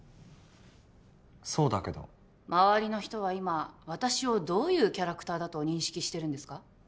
そうだけど周りの人は今私をどういうキャラクターだと認識してるんですか？